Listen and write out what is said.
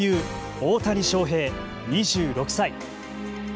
大谷翔平２６歳。